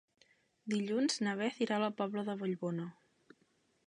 Dilluns na Beth irà a la Pobla de Vallbona.